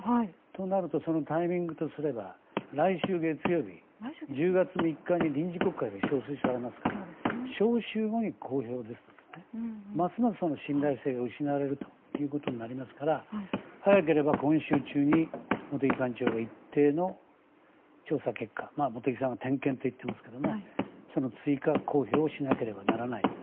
となるとそのタイミングとすれば来週月曜日１０月３日に臨時国会が召集されますから召集後に公表となるとますます信頼性が失われるということになりますから早ければ今週中に茂木幹事長が一定の調査結果茂木さんは点検と言っていますがその追加公表をしなければならないと。